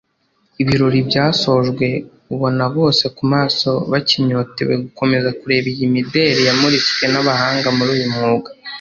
Ibirori byasojwe ubona bose ku maso bakinyotewe gukomeza kureba iyi mideli yamuritswe n’abahanga muri uyu mwuga